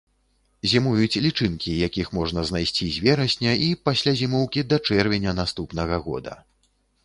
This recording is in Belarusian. Зімуюць лічынкі, якіх можна знайсці з верасня і, пасля зімоўкі, да чэрвеня наступнага года.